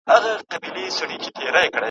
نه د عقل نه د کار وه نه د کور وه ,